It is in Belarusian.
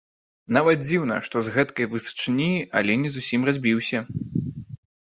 Нават дзіўна, што з гэткай высачыні, але не зусім разбіўся!